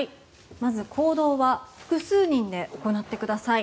まず行動は複数人で行ってください。